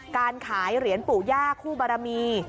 การขายเหรียญปู่ย่าคู่บารมี